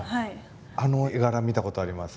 あの絵柄見たことあります。